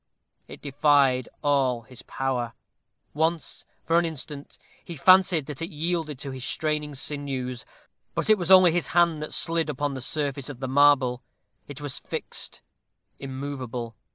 It defied all his power. Once, for an instant, he fancied that it yielded to his straining sinews, but it was only his hand that slided upon the surface of the marble. It was fixed immovable.